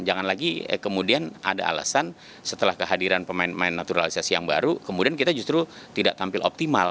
jangan lagi kemudian ada alasan setelah kehadiran pemain pemain naturalisasi yang baru kemudian kita justru tidak tampil optimal